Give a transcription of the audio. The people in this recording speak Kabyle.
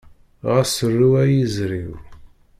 Ɣas ru ay iẓri-w.